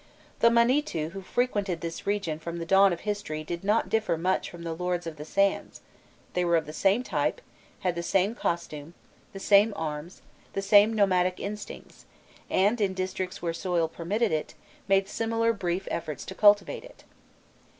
The Monîtû who frequented this region from the dawn of history did not differ much from the "Lords of the Sands;" they were of the same type, had the same costume, the same arms, the same nomadic instincts, and in districts where the soil permitted it, made similar brief efforts to cultivate it.